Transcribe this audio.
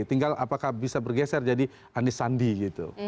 tinggal apakah bisa bergeser jadi anies sandi gitu